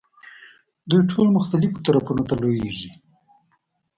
دوی ټول مختلفو طرفونو ته لویېږي.